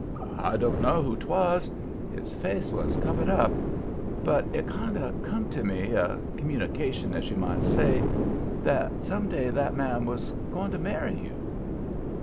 "I don't know who 'twas. His face was covered up; but it kind of come to me a communication, as you might say that some day that man was going to marry you."